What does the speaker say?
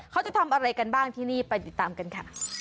เขาจะทำอะไรกันบ้างที่นี่ไปติดตามกันค่ะ